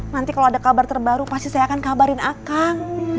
nanti kalau ada kabar terbaru pasti saya akan kabarin akan